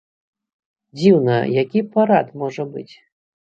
Дзіўна, які парад можа быць?